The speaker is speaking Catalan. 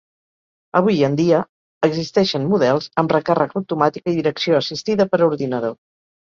Avui en dia existeixen models amb recàrrega automàtica i direcció assistida per ordinador.